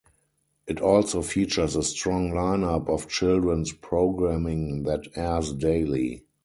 It also features a strong lineup of children's programming that airs daily.